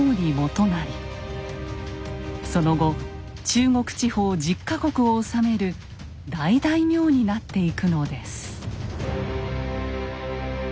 その後中国地方１０か国を治める大大名になっていくのです。